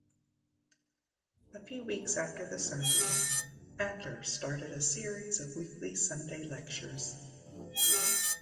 A few weeks after the sermon, Adler started a series of weekly Sunday lectures.